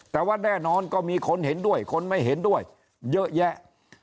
แต่ว่าแน่นอนก็มีคนเห็นด้วยคนไม่เห็นด้วยเยอะแยะ